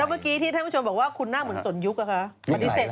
แล้วเมื่อกี้ท่านผู้ชมบอกว่าคุณน่าเหมือนสนยุค